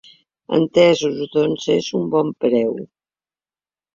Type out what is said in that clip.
Entesos, doncs és un bon preu.